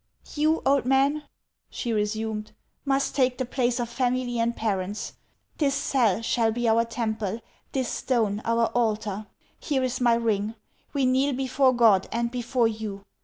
" You, old man," she resumed, " must take the place of family and parents. This cell shall be our temple, this stone our altar. Here is my ring ; we kneel before God and before you.